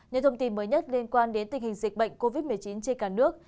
những thông tin mới nhất liên quan đến tình hình dịch bệnh covid một mươi chín trên cả nước